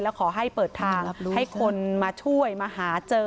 แล้วขอให้เปิดทางให้คนมาช่วยมาหาเจอ